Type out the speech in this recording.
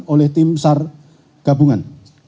oleh tim sar gabungan